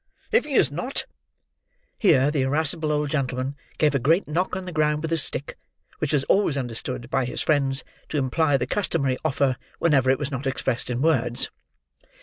If he is not—" Here the irascible old gentleman gave a great knock on the ground with his stick; which was always understood, by his friends, to imply the customary offer, whenever it was not expressed in words.